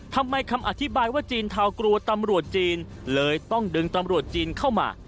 คำอธิบายว่าจีนเทากลัวตำรวจจีนเลยต้องดึงตำรวจจีนเข้ามา